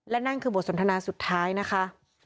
และนั่นคือบทสนทนาสุดท้ายนะคะ